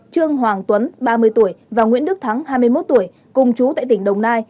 trương hoàng tuấn ba mươi tuổi và nguyễn đức thắng hai mươi một tuổi cùng chú tại tỉnh đồng nai